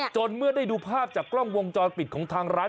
เมื่อได้ดูภาพจากกล้องวงจรปิดของทางร้าน